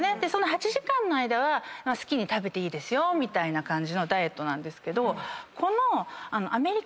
８時間の間は好きに食べていいですよみたいなダイエットなんですけど。